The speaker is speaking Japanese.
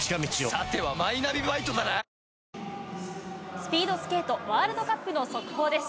スピードスケートワールドカップの速報です。